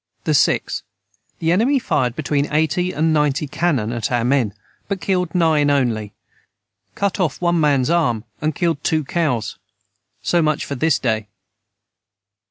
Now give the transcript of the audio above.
The enemy fired between 80 and 90 Canon at our men but killed nine onely cut of one mans arm and killed too cows So much for this day.